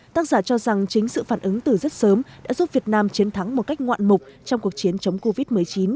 tác giả cho rằng chính sự phản ứng từ rất sớm đã giúp việt nam chiến thắng một cách ngoạn mục trong cuộc chiến chống covid một mươi chín